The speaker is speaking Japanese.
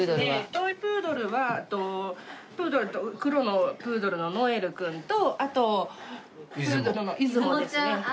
トイプードルはプードルと黒のプードルのノエル君とあとプードルのいずもですね。